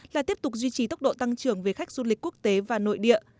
là tiếp tục duy trì tốc độ tăng trưởng về khách du lịch quốc tế và nội địa